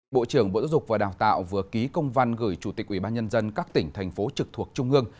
bộ trưởng bộ giáo dục và đào tạo vừa ký công văn gửi chủ tịch ubnd các tỉnh thành phố trực thuộc trung ương